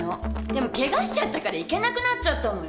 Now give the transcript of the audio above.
でもケガしちゃったから行けなくなっちゃったのよ。